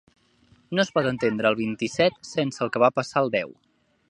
No es pot entendre el vint-i-set sense el que va passar el deu.